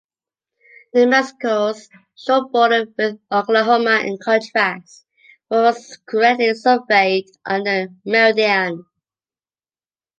New Mexico's short border with Oklahoma, in contrast, was correctly surveyed on the meridian.